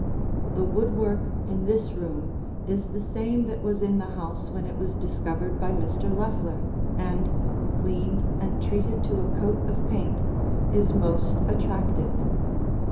The woodwork in this room is the same that was in the house when it was discovered by Mr. Loeffler and, cleaned and treated to a coat of paint, is most attractive.